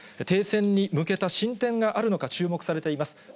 停戦に向けた進展があるのか、注目されています。